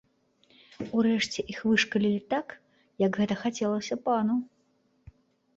Урэшце іх вышкалілі так, як гэта хацелася пану.